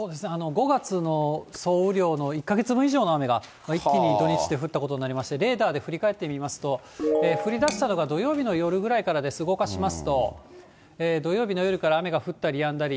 ５月の総雨量の１か月分以上の雨が一気に土日で降ったことになりまして、レーダーで振り返ってみますと、降りだしたのが土曜日の夜ぐらいからです、動かしますと、土曜日の夜から雨が降ったりやんだり。